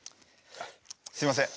すいません。